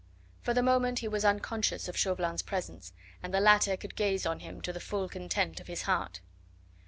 For the moment he was unconscious of Chauvelin's presence, and the latter could gaze on him to the full content of his heart.